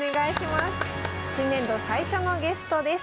新年度最初のゲストです。